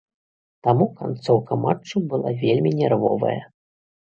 Таму канцоўка матчу была вельмі нервовая.